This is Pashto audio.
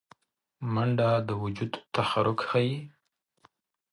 منډه د وجود تحرک ښيي